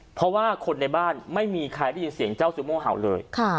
เพราะว่าคนในบ้านไม่มีใครได้ยินเสียงเจ้าซูโม่เห่าเลย